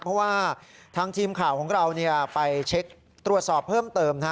เพราะว่าทางทีมข่าวของเราไปเช็คตรวจสอบเพิ่มเติม